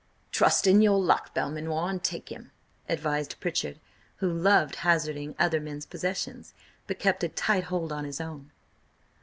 "Trust in your luck, Belmanoir, and take him!" advised Pritchard, who loved hazarding other men's possessions, but kept a tight hold on his own.